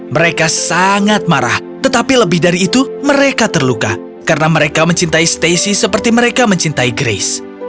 mereka sangat marah tetapi lebih dari itu mereka terluka karena mereka mencintai stacy seperti mereka mencintai grace